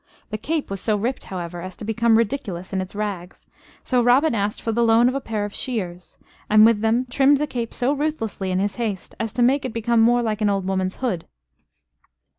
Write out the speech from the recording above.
The cape was so ripped, however, as to become ridiculous in its rags, so Robin asked for the loan of a pair of shears, and with them trimmed the cape so ruthlessly in his haste as to make it become more like an old woman's hood.